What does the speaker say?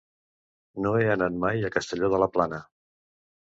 No he anat mai a Castelló de la Plana.